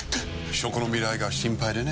食の未来が心配でね。